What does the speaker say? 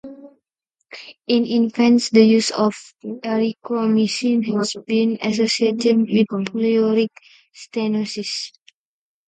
In infants the use of erythromycin has been associated with pyloric stenosis.